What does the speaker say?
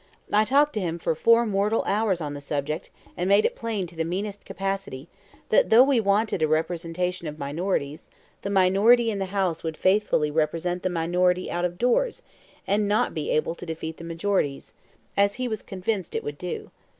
I talked to him for four mortal hours on the subject, and made it plain to the meanest capacity, that though we wanted a representation of minorities, the minority in the House would faithfully represent the minority out of doors, and not be able to defeat the majorities, as he was convinced it would do.